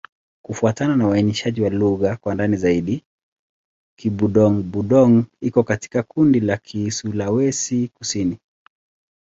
Kufuatana na uainishaji wa lugha kwa ndani zaidi, Kibudong-Budong iko katika kundi la Kisulawesi-Kusini.